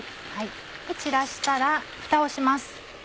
散らしたらふたをします。